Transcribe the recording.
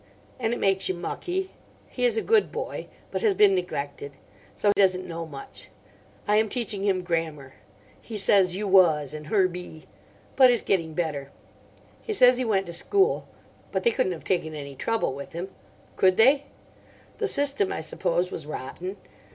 And it makes you mucky. He is a good boy. But has been neglected. So doesn't know much. I am teaching him grammar. He says 'you was' and 'her be.' But is getting better. He says he went to school. But they couldn't have taken any trouble with him. Could they? The system, I suppose, was rotten.